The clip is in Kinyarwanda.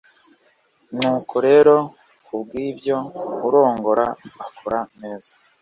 nuko rero ku bw’ibyo urongora akora neza